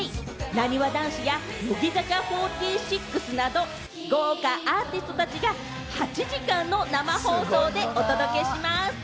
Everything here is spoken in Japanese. なにわ男子や乃木坂４６など、豪華アーティストたちが８時間の生放送でお届けします。